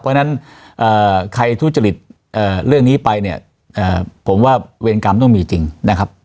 เพราะฉะนั้นใครทุจริตเรื่องนี้ไปเนี่ยผมว่าเวรกรรมต้องมีจริงนะครับ